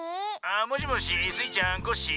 「もしもしスイちゃんコッシー。